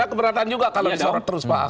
saya keberatan juga kalau disorot terus pak